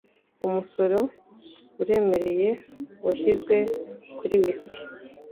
Umusoro uremereye washyizwe kuri whisky.